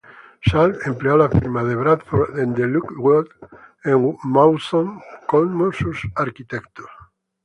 Salt empleó a la firma de Bradford de Lockwood and Mawson como sus arquitectos.